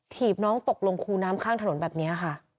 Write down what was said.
ีบน้องตกลงคูน้ำข้างถนนแบบนี้ค่ะ